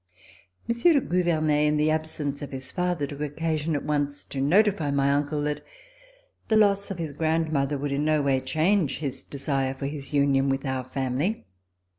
Monsieur de Gouvernet, in the absence of his father, took occasion at once to notify my uncle that the loss of his grandmother would in no way change his desire for his union with our family.